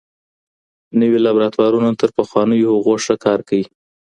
نوي لابراتوارونه تر پخوانیو هغو ښه کار کوي.